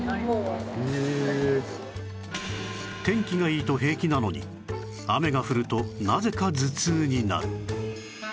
天気がいいと平気なのに雨が降るとなぜか頭痛になる